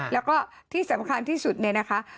แล้วก็ที่สำคัญที่สุดเนี่ยนะคะ